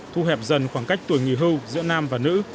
thu hẹp dần khoảng cách tuổi nghỉ hưu giữa nam và nữ